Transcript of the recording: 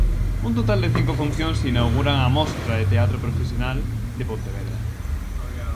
Un total de cinco funcións inauguran a Mostra de Teatro Profesional de Pontevedra.